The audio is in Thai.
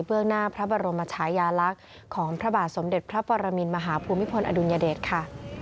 หน้าพระบรมชายาลักษณ์ของพระบาทสมเด็จพระปรมินมหาภูมิพลอดุลยเดชค่ะ